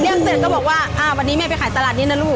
เสร็จก็บอกว่าวันนี้แม่ไปขายตลาดนี้นะลูก